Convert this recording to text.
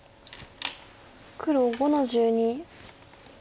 黒５の十二。